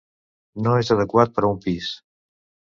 No és adequat per a un pis.